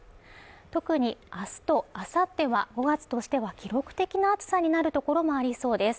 特にあすとあさっては、５月としては記録的な暑さになるところもありそうです。